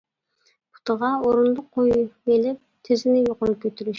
پۇتىغا ئورۇندۇق قويۇۋېلىپ تىزىنى يۇقىرى كۆتۈرۈش.